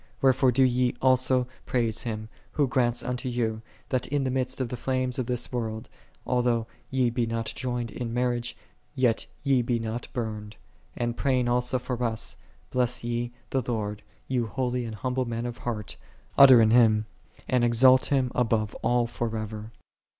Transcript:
Wherefore do ye also praise Him, Who grants unto you, that in the midst of the flames of this world, although ye be not joined in mar riage, yet ye be not burned: and praying alsa for us, " Bless ye the Lord, ye holy and hum ble men of heart; utter an hymn, and exalt Him above all forever."